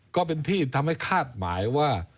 ก็เป็นที่ทำให้คาดหมายว่า